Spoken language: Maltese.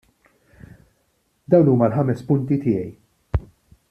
Dawn huma l-ħames punti tiegħi.